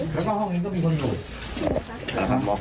พี่ไอ้แจ๊ปยังไม่ต้องหยุดหรอก